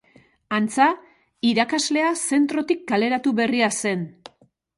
Antza, irakaslea zentrotik kaleratu berria zen.